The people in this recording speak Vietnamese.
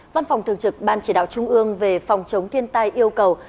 văn phòng thường trực ban chỉ đạo trung ương về phòng chống thiên tai yêu cầu